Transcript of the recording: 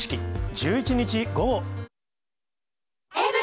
１１日午後。